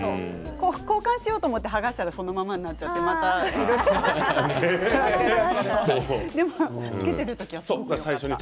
交換しようと思って剥がしたらそのままになっちゃってまたでも、つけている時はよかった。